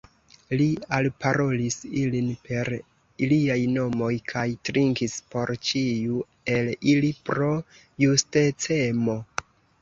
Li alparolis ilin per iliaj nomoj, kaj trinkis por ĉiu el ili, pro justecemo.